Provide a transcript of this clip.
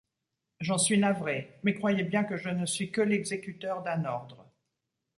J'en suis navré, mais croyez bien que je ne suis que l'exécuteur d'un ordre...